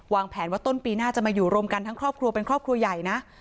แผนว่าต้นปีหน้าจะมาอยู่รวมกันทั้งครอบครัวเป็นครอบครัวใหญ่นะ